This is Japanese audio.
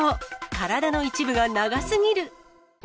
体の一部が長すぎる。